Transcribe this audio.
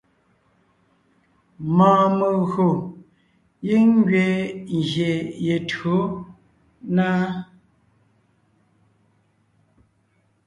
Mɔɔn megÿò giŋ ngẅiin ngyè ye tÿǒ na.